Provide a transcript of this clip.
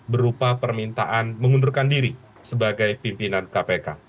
berupa permintaan mengundurkan diri sebagai pimpinan kpk